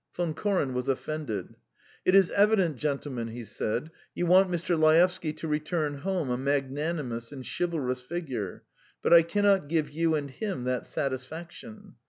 Von Koren was offended. "It is evident, gentlemen," he said, "you want Mr. Laevsky to return home a magnanimous and chivalrous figure, but I cannot give you and him that satisfaction.